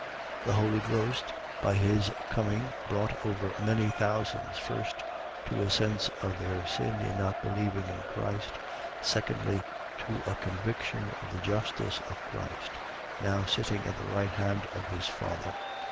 .The Holy Ghost, by his coming brought over many thousands, first, to a sense of their sin in not believing in Christ. Secondly, to a conviction of the justice of Christ, now sitting at the right hand of his Father.